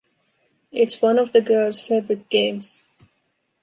It’s one of the girls’ favorite games.